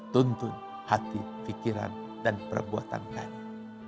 tuntun hati pikiran dan perbuatan kami